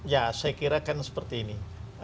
ya saya kira kan seperti ini